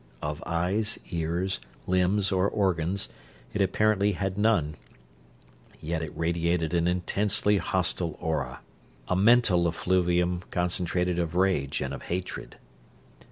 Of eyes, ears, limbs, or organs it apparently had none, yet it radiated an intensely hostile aura; a mental effluvium concentrated of rage and of hatred.